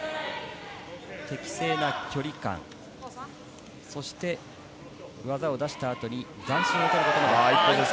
適正な距離感、そして技を出した後に残心を取ることもあります。